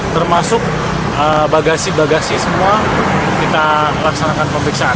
termasuk bagasi bagasi semua kita laksanakan pemeriksaan